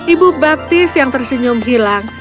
ibu baptis yang tersenyum hilang